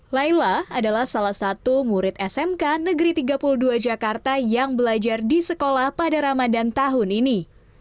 laila adalah salah satu murid smk negeri tiga puluh dua jakarta yang belajar di sekolah pada ramadan tahun ini